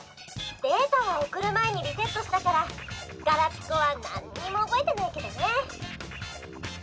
データはおくるまえにリセットしたからガラピコはなんにもおぼえてないけどね。